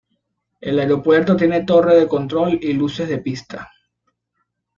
El aeropuerto tiene torre de control y luces de pista.